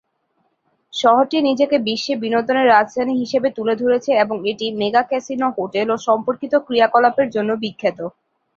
শহরটি নিজেকে বিশ্বে বিনোদনের রাজধানী হিসাবে তুলে ধরেছে এবং এটি মেগা ক্যাসিনো-হোটেল ও সম্পর্কিত ক্রিয়াকলাপের জন্য বিখ্যাত।